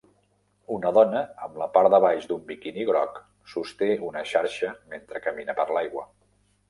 Una dona amb la part de baix d'un biquini groc sosté una xarxa mentre camina per l'aigua.